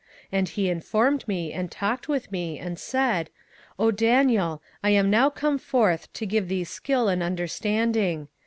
27:009:022 And he informed me, and talked with me, and said, O Daniel, I am now come forth to give thee skill and understanding.